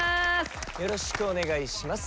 よろしくお願いします。